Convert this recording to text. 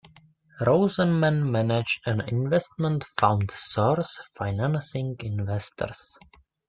Rosenman managed an investment fund, Source Financing Investors.